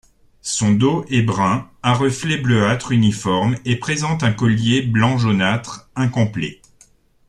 Son dos est brun à reflets bleuâtres uniforme et présente un collier blanc-jaunâtre incomplet.